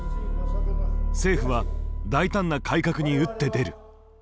政府は大胆な改革に打って出る。